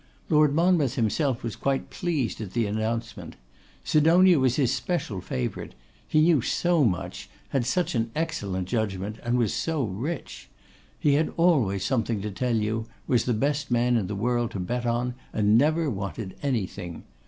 Lord Monmouth himself was quite pleased at the announcement. Sidonia was his especial favourite; he knew so much, had such an excellent judgment, and was so rich. He had always something to tell you, was the best man in the world to bet on, and never wanted anything.